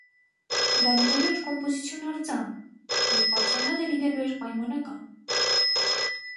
Դա լինելու էր կոմպոզիցիոն արձան, և պատվանդանը լինելու էր պայմանական։